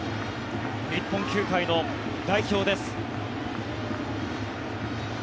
日本球界の代表です。